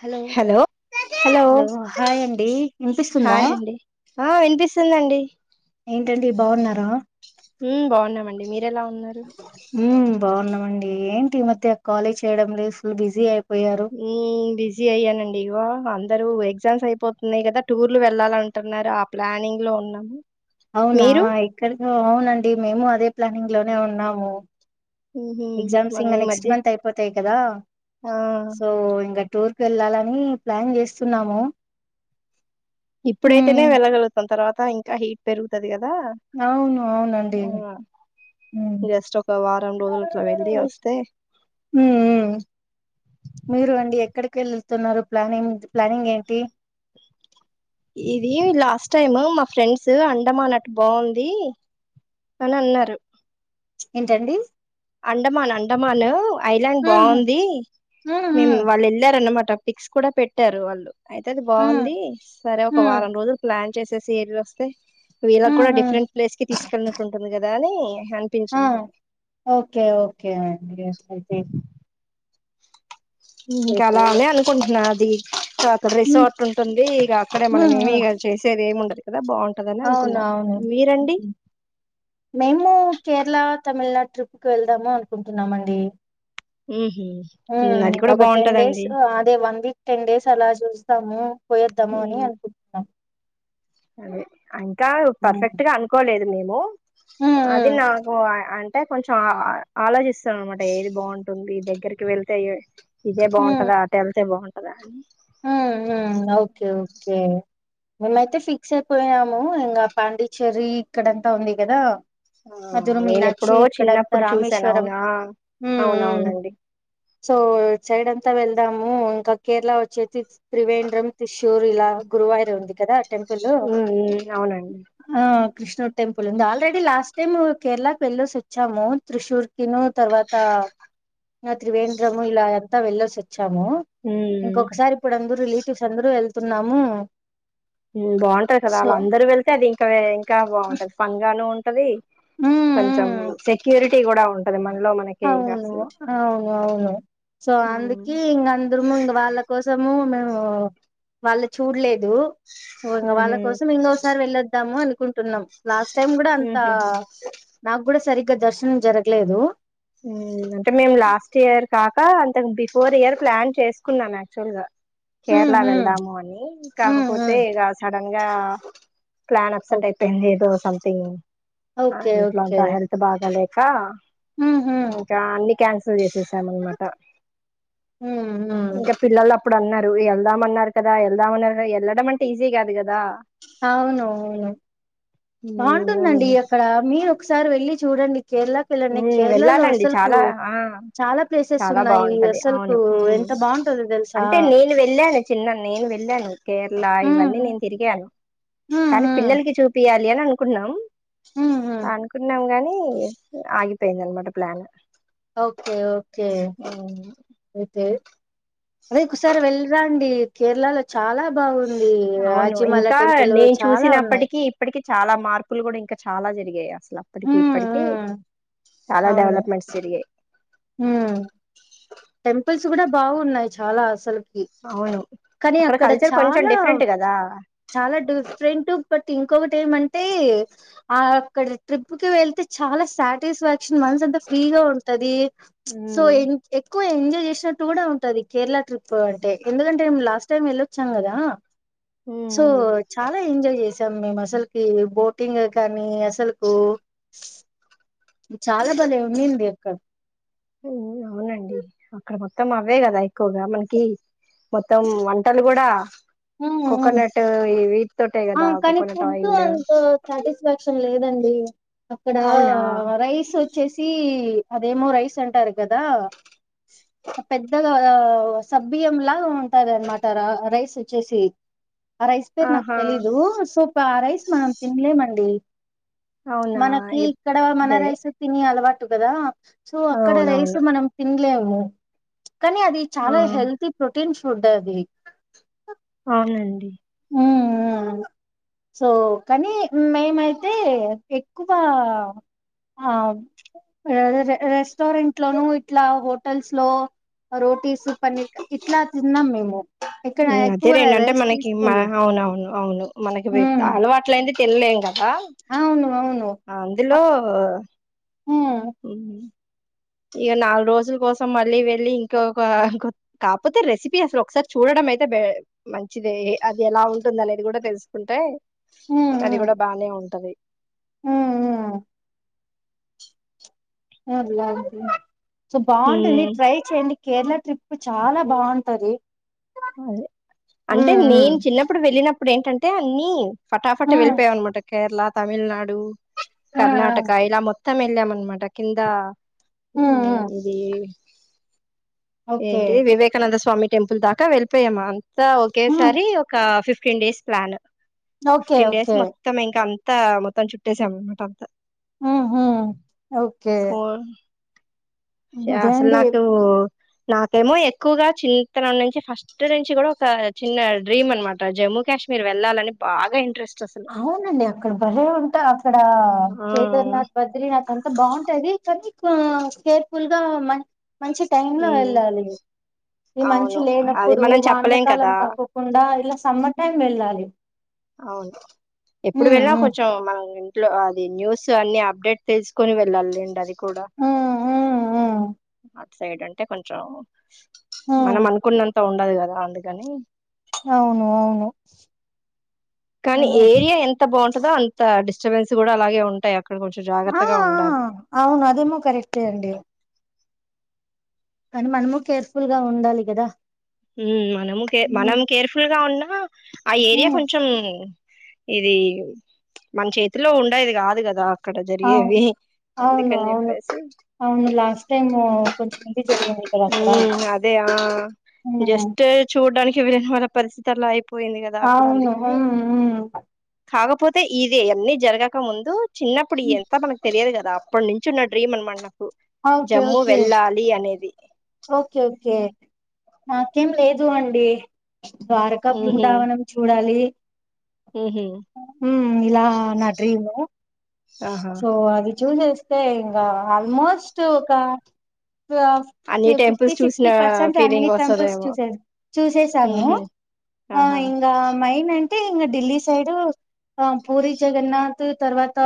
Hello hello hi అండి వినిపిస్తుందా hi అండి ఆ వినిపిస్తుందండి ఏంటండి బాగున్నారా ఉమ్ బాగున్నామండి మీరెలా ఉన్నారు ఉమ్ బాగున్నామండి ఈ మధ్య కాలే చేయడం లేదు ఫుల్ బిజీ అయిప్ ఉమ్ బిజ్ జీ యేయ్యానండి ఇగో అందరూ ఎగ్జామ్స్ అయిపోతున్నాయి కదా టూర్లు వెళ్ళాల్ అంటున్నారు ఆ ప్లానింగ్ లో ఉన్నామ్ అవునా ఇక్కడికో అవున్ అండి మేము అదే ప్లానింగ్ లోనే ఉన్నాము ఉహు ఎగ్ జామ్స్ మొన్న ఇంగ ఈ నెక్స్ట్ మధ్య మంత్ అయిపోతాయి కదా ఆ సో ఇంగ టూర్ వెళ్ళాలని ప్లాన్ చేస్తున్నాము ఉమ్ ఇప్పుడైతేనే వెళ్ళగలుగుతాం తర్వాత ఇంకా హీట్ పెరుగుతుంది కదా అవును అవునండి ఆ ఉ ఉ జస్ట్ ఒక వారం రోజులు అట్లా వెళ్ళి వస్తే ఉ మీరు అండి ఎక్కడి కెళ్తున్నారు ప్లానింగ్ ప్లానింగ్ ఏంటి ఇది లాస్ట్ టైమ్ మా ఫ్రెండ్స్ అండమాన్నట్టు బావుంది అని అన్నారు ఏంటండి అండమాన్ అండమాన్ ఐలాండ్ ఉహు బాగుంది ఉహు మేము వాళ్ళు వెళ్ళారన్నమాట ట పిక్స్ కూడా పెట్టారు వాళ్ళు అయితే అది ఉమ్ బావుంది సరే ఒక హ్మ్ వారం రోజులు ప్లాన్ చేసేసి ఎది వస్తే వీరా హ్మ్ కూడా హ్మ్ డిఫరెంట్ ప్లేస్ కి తీసుకెల్లినట్టుంటుంది కదా కాని ఆ! అనిపించింది ఓకే ఓకే అండి ఇంక అయితే అలానే అనుకుంటున్నార్ ది ఇ అక్కడ హ్మ్. రిసార్ట్ ఉంటుంది ఇక అక్కడ మన ఏమి ఇ చేసేది ఏమి ఉండదు కదా బాగుంటదని అవును అనుకున్నా అవును మీరండి మేము కేరళ తమిళనాడు ట్రిప్కి వెళ్దాము అనుకుంటున్నామండి ఉ ఒక టెన్ డేస్ అదే వన్ వీక్ టెన్ డేస్ అలా చూ స్తము పోయేద్దాము అని ఉమ్. అనుకుంటున్నాం అదే అయి కాదు హ్మ్. పర్ఫెక్ట్ గా అనుకోలేదు మీరు హ్మ్. అది హ్మ్. నాకు అంటే కొంచెం ఆ ఆలోచిస్తాను అనమాట ఏది బాగుంటుంది దగ్గరికి వెళ్తే ఇదే హ్మ్. బాగుంటదా ఆట వెళ్తే బాం అలా ఓకే ఓకే మేమైతే ఫిక్స్ అయిపోయినాము ఇంకా పాండిచ్చరి ఇక్కడంతా ఉంది కదా ఆ నేను ఎప్పుడో చిన్నప్పుడు చూసాను రామేశ్వరం. అవునా హ్మ్. హ్మ్. అవునవునండి సో సైడ్ అంతా వెళ్దాము ఇంకా కేరళ వచ్చి త్రివేంద్రం త్రిశూర్ ఇలా గురువాయురు ఉంది కదా టెంపుల్లో ఉమ్ ఉమ్ అవునండి క్రిష్నుడ్ టెంపుల్ ఉంది ఆల్రెడీ లాస్ట్ టైమ్ కేరళకి వెళ్లోసి ఓచ్చాము త్రిశూర్ కిను తర్వాత ఆ త్రివేంద్రము ఇలా అంతా వెళ్ళొసి వొచ్ చ్చాము ఉమ్ ఇంకొకసారి అందుర్ రిలేటివ్స్ అందరూ వెళ్తున్నాము మ్మ్ బాంటది కదా సో వాళ్ అందరు వెళ్తే అది ఇంకా వే ఇంకా బాంటది ఫన్గాను ఉంటది ఉమ్ కొంచం ఉమ్ సెక్యూరిట్ టీ గూడ ఉంటది మన్ అవును హా అవును అవును సో ఉమ్ అందుకీ ఇంగ అందురుము ఇంగ వాళ్ళ కోసము మే [unintelligible] వాళ్ళు చూల్లేద్ దో సో ఇంగ వాళ్ళ ఉహు కోసం ఇంగోసారి వెళ్ళొద్దాము అని కుంటున్నాం లాస్ట్ టైమ్ గుడ అంతా ఉహుహు నాగ్ గుడ సరిగ్ గ్ దర్శనం జరగ్లేదు ఊన అంటే మేము లాస్ట్ ఇయర్ కాక్ కా అంతక్ బిఫోర్ ఇయర్ ప్లాన్ చేసుకున్నాం యాక్చువల్ గా హ్మ్ కేరళ హ్మ్ వెళ్దాము అని హ్మ్ కాకపోతే హ్మ్ ఇగ సన్ డంగా ప్లాన్ ఓ అప్సెట్ అయిపెయింది ఏదో సంథింగ్ ఆ ఓకే ఇంట్లో అంత ఓకే హెల్త్ బాగాలే ఫా హ్మ్ హ్మ్ ఇంకా అన్ని క్యాన్స్ సిల్ జేసి తమ్ముని మాట హ్మ్ హ్మ్ ఇంక పిల్లల్లు అప్ ఇప్పుడు అన్నారు ఎళ్దామ్ అన్నారు కదా ఎళ్దామ్ అన్నారు గా ఎళ్ళడం అంటే ఈజీ గాదు కదా అవును అవును మనం బావుంటుందండి అక్కడ మీరు ఒకసారి వెళ్ళి చూడండి కేరళకి వెళ్ళండి ఊ కేరళలో వెళ్ళాలండి అసలుకు చాలా ఆ చాలా ప్లేసెస్ చాలా ఉన్నాయి బావుంటది అసలుకు అవును ఊ ఎంత బాగుంటదో తెలుసా అంటే నేను వెళ్యాను చిన్న నేను వెళ్యాను కేర్ళా హ్మ్ ఇవన్నీ నీన్ తిరిగాను హ్మ్ కానీ హ్మ్. పిల్లల్కి చూపియాల్ కళ్యాణ అనుకున్నాం హ్మ్. హ్మ్. అనుకున్నం గాని తే ఆగిపేంది అన్మాట ప్ల్యాన్ ఓకే ఓకే అదే ఇంకోసారి వెళ్ళిరాండి కేరళాలొచ్ చాలా బాగుంది అవును రాజిమాల ఇంకా టెంపుల్ నేను చాలా ఉన్నాయి చూసినప్పటికి ఇప్పటికి చాలా మార్పులు కూడా ఇంకా చాలా జరిగాయి అస అప్పటికి హ్మ్. ఇప్పటిక హ్మ్. చాలా అవును. డెవలప్మెంట్స్ జరిగాయి హ్మ్ టెంపుల్స్ కూడా బాగున్నాయి చాలా అసలు అవును కానీ అక్కడ కల్చర్ కొంచెం చాలా డిఫరెంట్ కదా చాలా డిఫరెంట్ బట్ ఇంకొకటి ఏమన్ టే ఆ అక్కడ ట్రిప్ కి వెళ్తే చాలా సాటిస్ఫాక్షన్ మన్స్ అంత ఫ్రీగా ఉంటది సో ఉమ్ ఎ ఎక్కువ ఎంజాయ్ చేసిన కూడా ఉంటది కేరళ ట్రిప్ అంటే ఎందుకంటే మే లాస్ట్ టైమ్ వెళ్ళొచ్చాం కదా సో ఉమ్ చాలా ఎంజాయ్ చేసి శాం మేము అసలుకి బోటింగ్ కానీ అసలుకు చాలా బలే ఉన్నింది అక్కడ అవునండి అక్కడ మొత్తం అవే కదా ఎక్కువగా మనకి మొత్తం వంటలు కూడా హ్మ్ హ్మ్. కొకనట్ ఇవి ఆ కానీ ఫుడ్ అంత సాటిస్ఫాక్షన్ లేదండి అక్కడ అవునా రైస్ వచ్చేసి అదేమో రైస్ అంటారు కదా పెద్దగా గా సబ్బియం లాగ ఉన్ తరన్మాట రా రైస్ చేసి ఆ రైస్ పేరు నాక్ ఆహా తెలీదు సోప రైస్ మనం తినలేమండి అవునా మనకి ఇక్కడ మన ఇదే రైస్ తిని అలవాటు టు కదా సో అక్కడ రైస్ అవునవును మనం తిన్ లేము కానీ అది ఆ చాలా హెల్తీ ప్రోటీన్స్ ఉంటది అవునండి సో కానీ మేమైతే ఎక్కువ ఆ రె రెస్టారెంట్ లోనూ ఇట్లా హోటల్స్ లో రోటీస్ పన్నీర్ ఇట్లా తిన్నాం మేము ఇక్కడ అదే ఎక్కువ రెండంటే రైస్ మనకి తీసుకోలేదు అవునవును అవును మనకి ఇవి ఉమ్, అలువాట్లే తినలేంగ అవును అవును ఆ అందులో హ్మ్ ఇగ నాలుగు రోజుల కోసం మళ్ళీ వెళ్ళి ఇంకొక కాపోతే రెసిపీ అసలు ఒకసారి చూడడం అయితే మంచిది అది ఎలా ఉంటుంది అనేది కూడా తెలుసుకుంటే అది గుడా బానే ఉంటది హ్మ్ హ్మ్ అల్లా అల్లా సో బాగుంటుంది హ్మ్. ట్రై చేయండి కేరళ ట్రిప్ చాలా బాగుంటది అదే అంటే ఉమ్ ఉమ్ నేనేన్ చిన్నప్పుడు వెళ్ళినప్పు ఇప్పుడు ఏంటంటే అన్ని ఫటాఫట్ ఉమ్ వెళ్ళిపోయవనమాట కేరళ తమిళనాడు కర్ణాటక ఇలా మొ త్తం వెలామన్మాట కింద ఉమ్ ఉమ్ ఇది ఓకే ఏంటి వివేకానంద స్వామి టెంపుల్ దాకా వెళ్ ప్పేయమామ్ ఉమ్ ఒకేసారి ఒక ఫిఫ్ fifteen days plan okay fifteen days okay మొత్తం ఇంక అంత మొత్తం చుట్టేసాం అనమాట అంతా మ్ హూ ఒక్ కో అసల్ అదేండి నాకు నాకేమో ఎక్కువగా చింతనం నుంచి ఫస్ట్ నుంచి కూడా ఒక చిన్న డ్రీమ్ అనమాట జమ్మూ కాశ్మీర్ వెళ్లాలని బాగా ఇంట్రెస్ట్ అసలు అవునండి అక్కడ భలే ఉంటా అక్కడ ఆ కేదార్నాథ్ బద్రీనాథ్ అంతా బాగుంటది కానీ కేర్ఫుల్ గా మ మంచి టైమ్ లో ఉమ్, వెళ్ళాలి ఈ మంచు అవును అది లేనప్పుడు మనం వానల చెప్పలేం కాలం కదా కాకోకుండా ఇలా సమ్మర్ టైం వెళ్ళాలి అవును ఎప్పుడు ఉమ్ వెళినా ఉమ్ కొంచెం మనం లో అది న్యూస్ అన్ని అప్డేట్ తెలుసుకొని వెళ్ళాలేండి అది కూడా ఉమ్ ఉమ్ ఉమ్ ఇటు సైడ్ అంటే కొంచెం. మనం ఉమ్ అనుకున్న ఉండది కదా అందుకని అవును అవును కానీ హలో ఏరియా ఎంత బాగుంట దొ అంత డిస్టబెన్స్ కూడా అలాగే ఉంటాయి. అక్కడ కొంచెం ఆ జాగ్రత్తగా ఆ ఉండాలి అవును అదేమో కరెక్టే అండి. కానీ మనము కేర్ఫుల్ గా ఉండాలి కదా. ఉమ్ మనము కే మనం ఉమ్ కేర్ఫుల్ గా ఉన్న ఆ ఏరియా కొంచం. ఇది మన చేతిలో ఉండేది కాదు కదా. అక్కడ అవును జరిగేవి అవును అందుకని అవును చెప్పేసి అవును లాస్ట్ టైమ్ కొంచెం ఇది జరిగింది. కదా అక్కడ ఉమ్, అదే ఆ ఉమ్ జస్ట్ చూడడానికి వెళ్లిన వాళ్ళ పరిస్థితి. ల [unintelligible] అవును ఉమ్ ఉమ్ కాకపోతే ఇది అన్ని జరగక ముందు. చిన్నప్పుడు ఈ యంత మనకు తెలిదు కదా. అ అప్పటి నుంచి ఉన్న డ్రీమ్ అనమాట. ఓకే జమ్ము ఓకే వెళ్ళాలి అనేది. ఓకే ఓకే నాకేం లేదు అండి. ద్వారకా ఉహు బృందావనం చూడాలి. ఉహు ఉమ్ ఇలా నా డ్రీమ్ ఆహా సో అది చూచేస్తే. అంటే ఇంగా ఆల్మోస్ట్ ఒక ఆ అన్ని ఫిఫ్టీ టెంపుల్స్ చూసిన సిక్స్టీ పర్సెంట్ అన్ని ఫీలింగ్ టెంపుల్స్ చూ వస్తదేమో చూసేసాను ఉహు ఆ ఆహా ఇంగా మైన్ అంటే ఇంకా ఢిల్లీ సైడ్ ఆ పూరి జగన్నాథ్ తర్వాత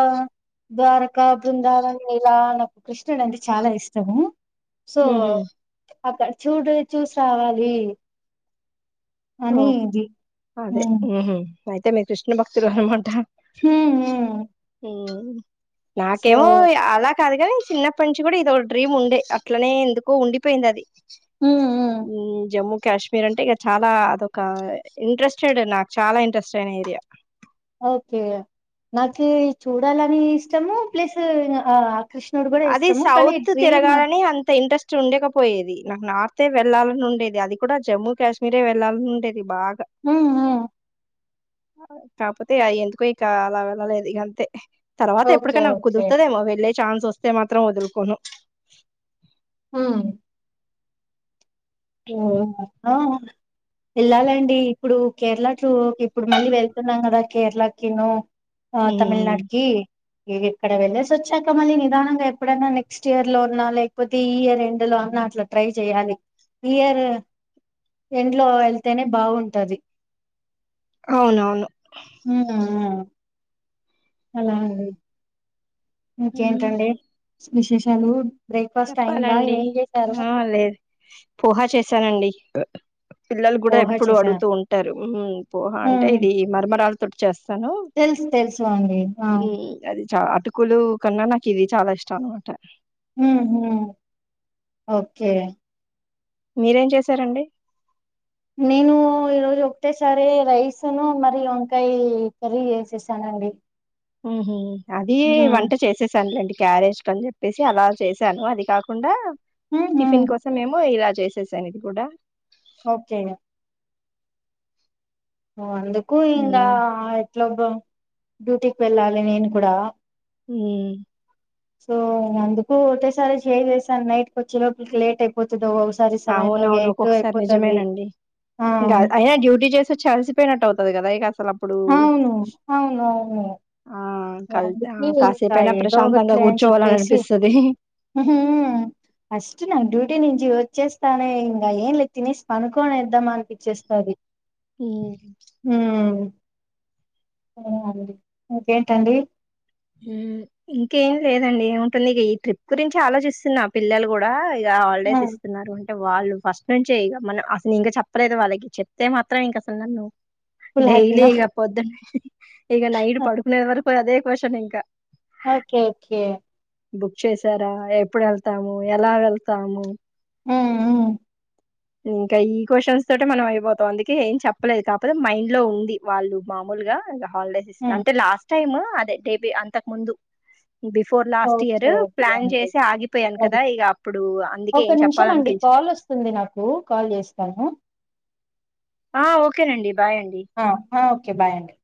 ద్వారకా బృందావన్ ఇలా నాకు కృష్ణుడు అంటే చాలా ఇష్టము. సో ఉహు అక్కడ చూడు చూసి రావాలి. ఓ అనిది అదే ఉమ్మ్ ఉహు అయితే మీరు కృష్ణ భక్తులు అన్నమాట. హ్మ్ హ్ ఉం నాకేమో అలా కాదుగాని చిన్నప్పటి నుంచి కూడా ఇదో డ్రీమ్ ఉండే అట్లనే ఎందుకో ఉండిపోయింది అది ఉమ్ జమ్మూ కాశ్మీర్ అంటే ఇగ చాలా ఒక ఇంట్రెస్టెడ్ నాకు చాలా ఇంట్రెస్ట్ అయిన ఏరియా ఓకే నాకి చూడాలని ఇష్టము ప్లస్ ఆ కృష్ణుడు కూడా అది ఇష్టము కానీ సౌత్ డ్రీమ్ తిరగాలని అంత ఇంట్రెస్ట్ ఉండకపోయేది నాకు నార్త్ఏ వెళ్లాలని ఉండేది అది కూడా జమ్మూ కాశ్మీరే వెళ్లాలని ఉండే ది బాగా ఉమ్ ఉమ్ కాపోతే ఎందుకో ఇగ అలా వెళ్ళలేదు ఇగ అంతే తర్వాత ఓకే ఎప్పుటికై నాకు ఓకే కుదురుతదేమో వెళ్లేే ఛాన్స్ వస్తే మాత్రం వదులుకోను హ్మ్ ఓ వెళ్ళాలండి ఇప్పుడు కేరళ టూ ఇప్పుడు మళ్ళీ వెళ్తున్నాం కదా కేరళకిను ఆ ఉమ్ తమిళనాడుకి ఇక్కడ వెళ్లేేసి వచ్చాక మళ్ళీ నిదానంగా ఎప్పుడైనా నెక్స్ట్ ఇయర్ లో అన్నా లేకపోతే ఈ ఇయర్ ఎండ్ లో అన్నా అట్లా ట్రై చెయాలి ఇయర్ ఎండ్ లో వెళ్తేనే బాగుంటది అవునవును హ్మ్. అలా అండి హ్మ్ ఇంకేంటండి విశేషాలు బ్రేక్‌ఫాస్ట్ అయిందా? చెప్పాలండి ఏం చేశారు? ఆ లేదు పోహా చేశానండి పిల్లలు కూడా పోహ ఎప్పుడు అడుగుతూ చేశారు. ఉంటారు హ్మ్ పోహ అంటే హ్మ్. ఇది మరమరాలు తుడుచేస్ తెలుసు తెలుసు అండి అహ్ టుకులు కన్నా నాకు ఇది చాలా ఇష్టం అనమాట హ్ హు ఓకే మీరేం చేశారండి నేను ఈరోజు ఒకటేసారి రైస్ ఉన్నూ మరి వంకాయ కర్రీ చేసేసానండి ఉహు అది హ్మ్ వంట చేసేసానులేండి క్యారేజ్ కని చెప్పి చెప్పేసి అలా చేశాను అది కాకుండా ఉహు టిఫిన్ కోసం ఏమో ఈ రాజ్ చేసేసాను ఇది కూడా ఓకే ఓ అందు కూ ఇందా హ్మ్. లోబో డ్యూటీకి వెళ్ళాలి నేను కూడా హ సో అందుకు ఒకే సారి చేసాను నైట్ క వచ్చే లోపలికి లేట్ అయిపోతుందిస అవునవును ఒక్కొక్కసారి నిజమేనండి ఆ ఇంకా అయినా డ్యూటీ చేసి వచ్చాల్సి పినట్ అవుతుంది కదా అవును అవును అవును ఆ! కల్ అందుక ఆహ్, ఇంకా కాసేపైనా ఏదో ప్రశాంతంగా ఒకట్లే అని గూర్చోవాలని చెప్పేసి అనిపిస్తది. ఫస్ట్ నా డ్యూటీ నేను వచ్చేస్తానే ఇంకా ఏం లే తినేసి పనుకోనిద్దాం అనిపిచ్చేస్తుది అ అడి ఓకే ఎండి ఇంకేం లేదండి ఏముంటుంది ఇక ఈ ట్రిప్ గురించి ఆలోచిస్తున్నా పిల్లలు కూడా ఆ హాలిడేస్ ఇస్తున్నారు వాళ్ళు ఫస్ట్ నుంచేక మనం అసలు ఇంక చెప్పలేదు వాళ్ళకి చెప్తే మాత్రం ఇంక అసలు నన్ను ఫుల్ డైలీ హ్యాపీనా ఇక ప వదుం ఇక నైడ్ పడుకునే వరకు అదే వషం క్క ఓకే ఓకే బుక్ చేసారా ఎప్పుడు వెళ్తాము ఎలా వెళ్తాము ఆ ఇంకా ఈ క్వశ్చన్స్ తోట మనం అయిపోతాం అందుకే ఏం చెప్పలేదు కాకపోతే మైండ్ లో ఉంది వాళ్ళు మామూలుగా ఇ హాలిడేస్ హ్మ్ అంటే లాస్ట్ టైమ్ అదే డేబి అంత తక్ ముందు before last okay year okay plan అండి చేసి ఆగిపోయాను అే కదా ఇక అప్పుడు అందుకే ఒక ఏం నిమిషం అండి చెప్పాలనిపించలే కాల్ వస్తుంది నాకు కాల్ చేస్తాను ఆ ఓకేనండి ఉయండి ఆ ఓకే బాయ్ అండి